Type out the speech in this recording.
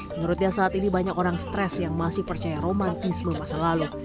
menurutnya saat ini banyak orang stres yang masih percaya romantisme masa lalu